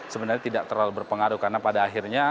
sebenarnya tidak terlalu berpengaruh karena pada akhirnya